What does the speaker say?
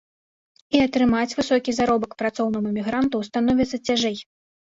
І атрымаць высокі заробак працоўнаму мігранту становіцца цяжэй.